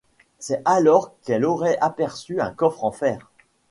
C’est alors qu’elles auraient aperçu un coffre en fer.